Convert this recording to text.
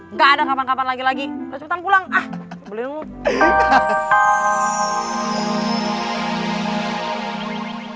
enggak ada kapan kapan lagi lagi pulang ah belum